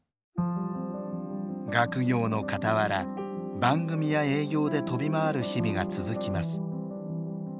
学業のかたわら番組や営業で飛び回る日々が続きます。